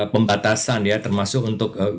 pembatasan ya termasuk untuk